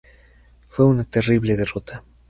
Fue una terrible derrota.